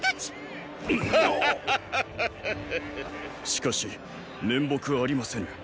しかし面目ありませぬ。